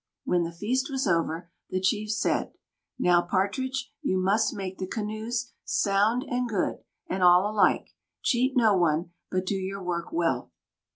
When the feast was over, the chief said: "Now, Partridge, you must make the canoes, sound and good, and all alike. Cheat no one, but do your work well."